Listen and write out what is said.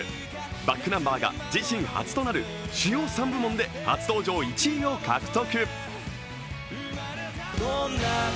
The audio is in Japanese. ｂａｃｋｎｕｍｂｅｒが自身初となる主要３部門で初登場１位を獲得。